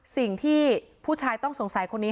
สิ่งที่ผู้ชายต้องสงสัยคนนี้